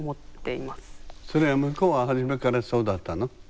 それは向こうは初めからそうだったの？